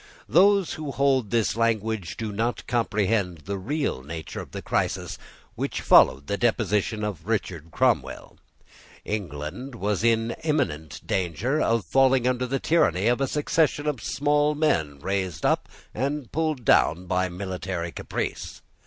Those who hold this language do not comprehend the real nature of the crisis which followed the deposition of Richard Cromwell. England was in imminent danger of falling under the tyranny of a succession of small men raised up and pulled down by military caprice.